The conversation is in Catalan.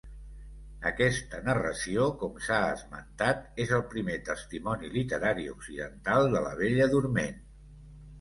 Aquesta narració, com s'ha esmentat, és el primer testimoni literari occidental de la Bella Dorment.